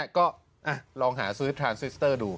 ก็ลองหาซื้อทรานซิสเตอร์ดู